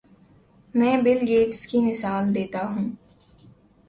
میں Bill Gates کی مثال دیتا ہوں۔